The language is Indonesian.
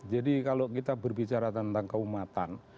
jadi kalau kita berbicara tentang keumatan